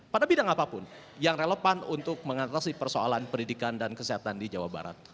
pada bidang apapun yang relevan untuk mengatasi persoalan pendidikan dan kesehatan di jawa barat